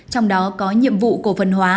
trong đó có nhiệm vụ cổ phần hóa